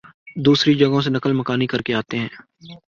دوسری جگہوں سے نقل مکانی کرکے آتے ہیں